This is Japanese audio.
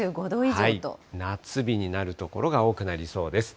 夏日になる所が多くなりそうです。